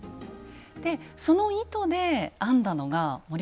その糸で編んだのが森川さん